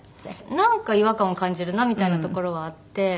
なんか違和感を感じるなみたいなところはあって。